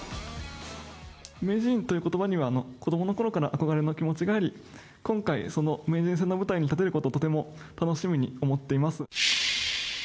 名人ということばには、子どものころから憧れの気持ちがあり、今回、その名人戦の舞台に立てることを、とても楽しみに思っています。